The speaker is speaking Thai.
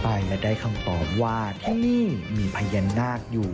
ไปและได้คำตอบว่าที่นี่มีพญานาคอยู่